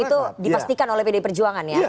itu dipastikan oleh pdi perjuangan ya